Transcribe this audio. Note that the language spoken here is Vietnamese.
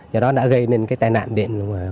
và đó đã gây nên cái tai nạn điện